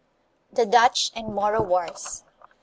THE DUTCH AND MORO WARS.